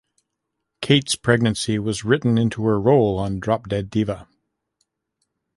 Kate's pregnancy was written into her role on "Drop Dead Diva".